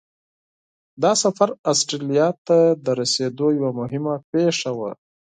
دا سفر استرالیا ته د رسېدو یوه مهمه پیښه وه.